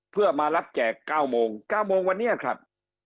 เพื่อมารับแจก๙โมง๙โมงวันนี้ครับ